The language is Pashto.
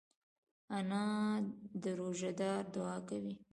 انا د روژهدار دعا کوي